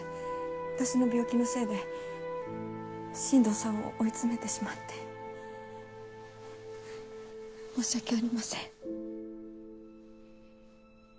私の病気のせいで新藤さんを追い詰めてしまって申し訳ありません。